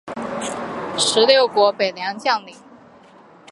十六国北凉将领。